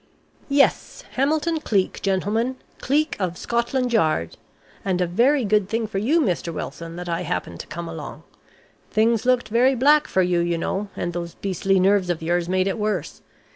"Yes, Hamilton Cleek, gentlemen. Cleek of Scotland Yard. And a very good thing for you, Mr. Wilson, that I happened to come along. Things looked very black for you, you know, and those beastly nerves of yours made it worse.